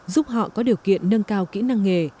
giúp họ có điều kiện nâng cao kỹ năng nghề